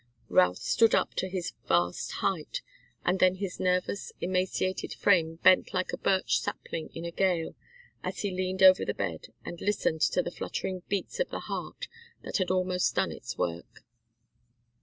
Routh stood up to his vast height, and then his nervous, emaciated frame bent like a birch sapling in a gale as he leaned over the bed, and listened to the fluttering beats of the heart that had almost done its work.